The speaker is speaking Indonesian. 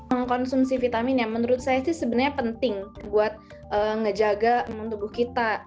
mengonsumsi vitamin yang menurut saya sebenarnya penting buat menjaga tubuh kita